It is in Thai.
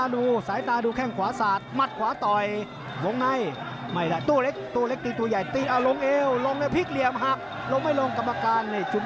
ลูกหนักนี่ได้เลยนะครับต้นเพช